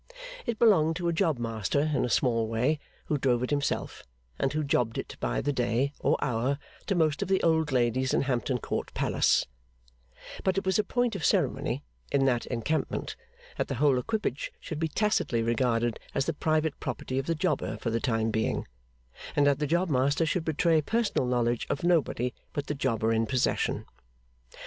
It belonged to a job master in a small way, who drove it himself, and who jobbed it by the day, or hour, to most of the old ladies in Hampton Court Palace; but it was a point of ceremony, in that encampment, that the whole equipage should be tacitly regarded as the private property of the jobber for the time being, and that the job master should betray personal knowledge of nobody but the jobber in possession.